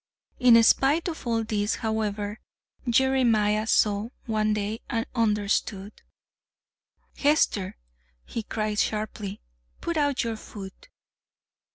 In spite of all this, however, Jeremiah saw, one day and understood. "Hester," he cried sharply, "put out your foot."